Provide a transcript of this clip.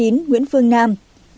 chín mươi chín nguyễn phương nam